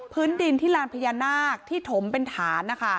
พื้นดินที่ลานพญานาคที่ถมเป็นฐาน